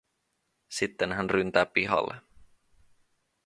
Sitten ryntää hän pihalle.